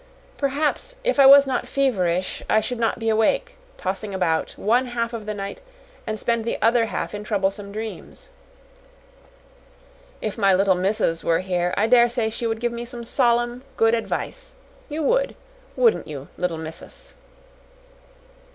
Perhaps, if I was not feverish I should not be awake, tossing about, one half of the night and spend the other half in troublesome dreams. If my little missus were here, I dare say she would give me some solemn, good advice. You would, wouldn't you, Little Missus?"